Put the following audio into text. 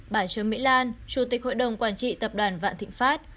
bà trương mỹ lan chủ tịch hội đồng quản trị tập đoàn vạn thịnh pháp